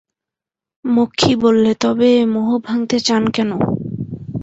মক্ষী বললে, তবে এ মোহ ভাঙতে চান কেন?